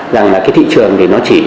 rằng là cái thị trường thì nó chỉ giả soát